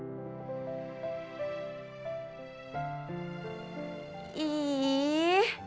aku delapan belas tahun